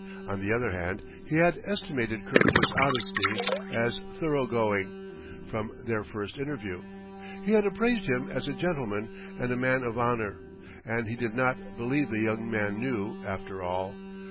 On the other hand, he had estimated Kirkwood's honesty as thorough going, from their first interview; he had appraised him as a gentleman and a man of honor. And he did not believe the young man knew, after all